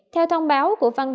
theo thông báo